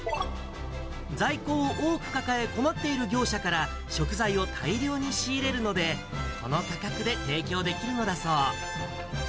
在庫を多く抱え困っている業者から、食材を大量に仕入れるので、この価格で提供できるのだそう。